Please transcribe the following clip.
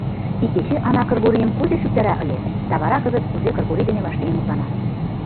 Икече Ана Кыргорийым кузе шӱктара ыле, да вара кызыт кузе Кыргорий дене вашлийын мутлана.